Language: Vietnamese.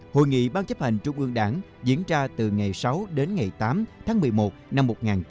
hội nghị bàn chấp hành trung ương đảng diễn ra từ ngày sáu đến ngày tám tháng một mươi một năm một nghìn chín trăm ba mươi chín